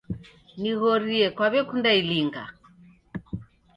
Nighorie kwawekunda ilinga?